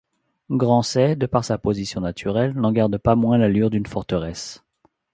Grancey, de par sa position naturelle, n'en garde pas moins l'allure d'une forteresse.